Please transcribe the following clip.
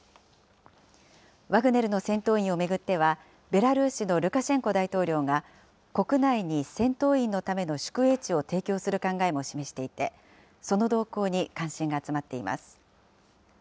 ワグネルの戦闘員を巡っては、ベラルーシのルカシェンコ大統領が、国内に戦闘員のための宿営地を提供する考えも示していて、その動向に関心が集まっています。